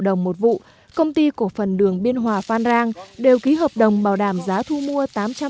đồng một vụ công ty của phần đường biên hòa phan rang đều ký hợp đồng bảo đảm giá thu mua